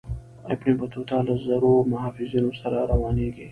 ابن بطوطه له زرو محافظینو سره روانیږي.